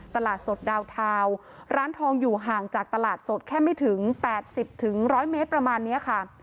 ตลาดสดดาวทาวน์ร้านทองอยู่ห่างจากตลาดสดแค่ไม่ถึง๘๐๑๐๐เมตรประมาณนี้ค่ะ